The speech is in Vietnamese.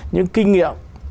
những kinh nghiệm